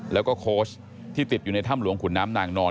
แล้วก็โค้ชที่ติดอยู่ในถ้ำหลวงขุนน้ำนางนอน